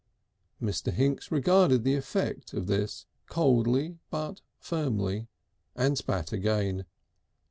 Mr. Hinks regarded the effect of this coldly but firmly, and spat again.